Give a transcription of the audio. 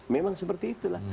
memang seperti itulah